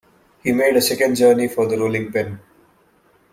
He made a second journey for the rolling-pin.